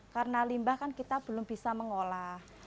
karena limbah kan kita belum bisa mengolah